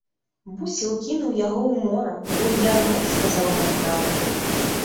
Бусел кінуў яго ў мора, бо й яно сказала няпраўду.